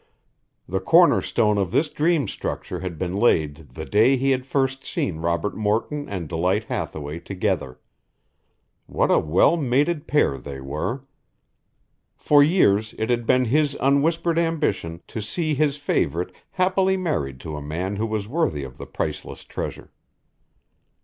The cornerstone of this dream structure had been laid the day he had first seen Robert Morton and Delight Hathaway together. What a well mated pair they were! For years it had been his unwhispered ambition to see his favorite happily married to a man who was worthy of the priceless treasure.